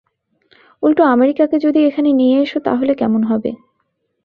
উল্টো আমেরিকাকে যদি এখানে নিয়ে এসো তাহলে কেমন হবে?